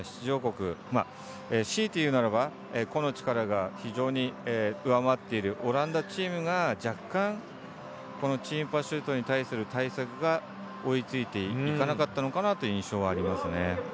もはや、どの国も出場国しいて言えば個の力が非常に上回っているオランダチームが若干、チームパシュートに対する対策が追いついていかなかったなという印象がありましたね。